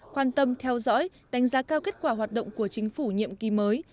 quan tâm theo dõi đánh giá cao kết quả hoạt động của chính phủ nhiệm kỳ mới